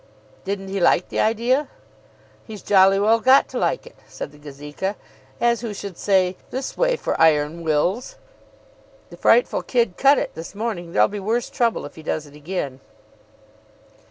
"Didn't he like the idea?" "He's jolly well got to like it," said the Gazeka, as who should say, "This way for Iron Wills." "The frightful kid cut it this morning. There'll be worse trouble if he does it again."